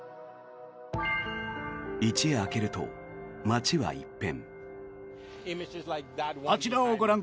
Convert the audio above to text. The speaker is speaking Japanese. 一夜明けると街は一変。